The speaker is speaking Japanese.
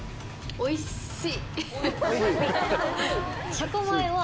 おいしい！